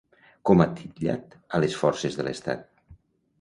Com ha titllat a les forces de l'estat?